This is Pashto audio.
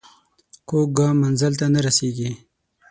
کوږ ګام منزل ته نه رسېږي